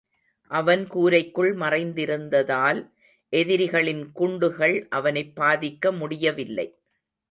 அவன் கூரைக்குள் மறைந்திருந்ததால் எதிரிகளின் குண்டுகள் அவனைப் பாதிக்க முடியவில்லை.